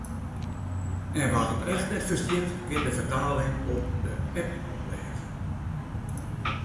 En wa’t it echt net ferstiet, kin de fertaling op de app lêze.